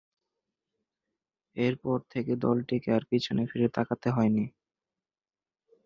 এর পর থেকে দলটিকে আর পেছনে ফিরে তাকাতে হয়নি।